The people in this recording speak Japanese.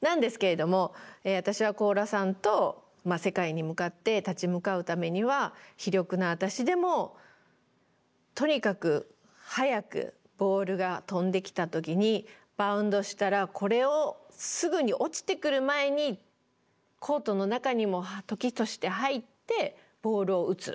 なんですけれども私は小浦さんと世界に向かって立ち向かうためには非力な私でもとにかく早くボールが飛んできた時にバウンドしたらこれをすぐに落ちてくる前にコートの中にも時として入ってボールを打つ。